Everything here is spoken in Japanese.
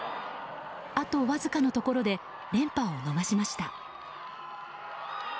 あとわずかのところで連覇を逃しました。